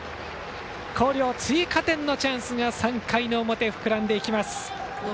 広陵、追加点のチャンスが３回の表、膨らんでいきます。